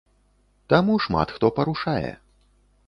Таму шмат хто парушае.